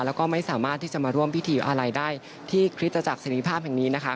แล้วก็ไม่สามารถที่จะมาร่วมพิธีอะไรได้ที่คริสตจักรเสรีภาพแห่งนี้นะคะ